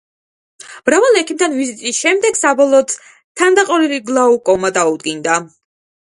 მრავალ ექიმთან ვიზიტის შემდეგ, საბოლოოდ თანდაყოლილი გლაუკომა დაუდგინდა.